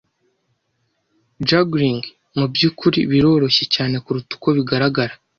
Juggling mubyukuri biroroshye cyane kuruta uko bigaragara.